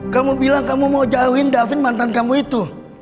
kamu bilang kamu mau jauhin davin mantan kamu itu